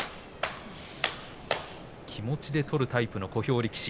気持ちで取るタイプの小兵力士。